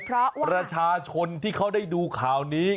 เพราะประชาชนที่เขาได้ดูข่าวนี้